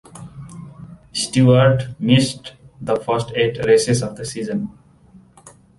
Stewart missed the first eight races of the season.